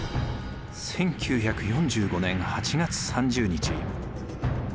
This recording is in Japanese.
１９４５年８月３０日。